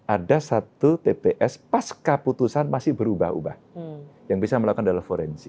ada satu tps pasca putusan masih berubah ubah yang bisa melakukan dalam forensik